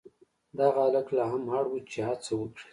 دغه هلک لا هم اړ و چې هڅه وکړي.